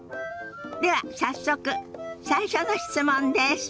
では早速最初の質問です。